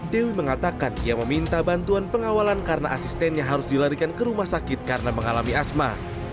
dewi mengatakan ia meminta bantuan pengawalan karena asistennya harus dilarikan ke rumah sakit karena mengalami asma